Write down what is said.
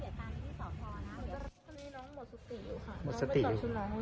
มีอาการหมดสติอยู่ค่ะ